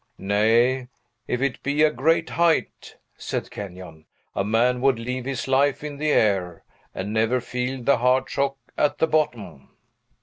"Nay; if it be a great height," said Kenyon, "a man would leave his life in the air, and never feel the hard shock at the bottom."